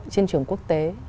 trên trường quốc tế